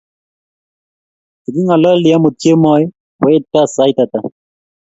Yekingalalee amut kemoi, kweit gaa sait ata?